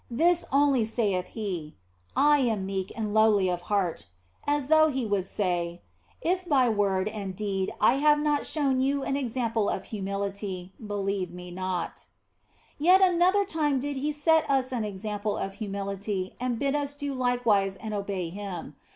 This only saith He, " I am meek and lowly of heart," as though He would say, "If by i io THE BLESSED ANGELA word and deed I have not shown you an example of humility, believe Me not." Yet another time did He set us an example of humility and bid us do likewise and obey Him.